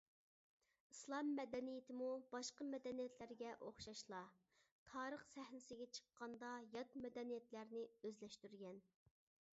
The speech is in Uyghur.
ئىسلام مەدەنىيىتىمۇ باشقا مەدەنىيەتلەرگە ئوخشاشلا، تارىخ سەھنىسىگە چىققاندا يات مەدەنىيەتلەرنى ئۆزلەشتۈرگەن.